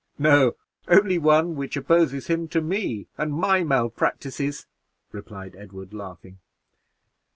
"No; only one which opposes him to me and my malpractices," replied Edward, laughing.